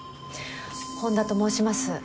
本田と申します。